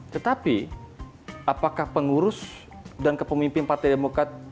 tetapi apakah pengurus dan kepemimpin partai demokrat